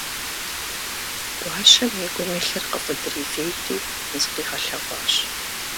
Гуащэм и гум илъыр къыфӀыдривейри, зыкъигъэлъэгъуащ.